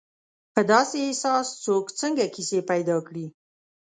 په داسې احساس څوک څنګه کیسې پیدا کړي.